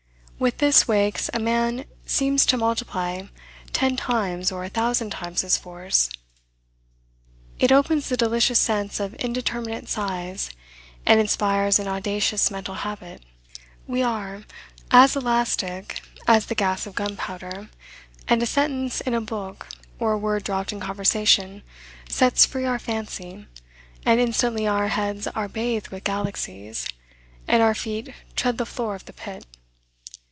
When this wakes, a man seems to multiply ten times or a thousand times his force. It opens the delicious sense of indeterminate size, and inspires an audacious mental habit. We are as elastic as the gas of gunpowder, and a sentence in a book, or a word dropped in conversation, sets free our fancy, and instantly our heads are bathed with galaxies, and our feet tread the floor of the Pit.